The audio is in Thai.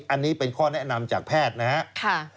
อันนี้เป็นข้อแนะนำจากแพทย์นะครับ